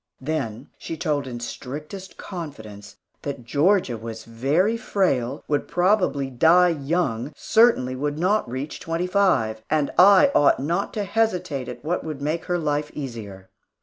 Then she told in strictest confidence that Georgia was very frail, would probably die young, certainly would not reach twenty five; and I ought not to hesitate at what would make her life easier.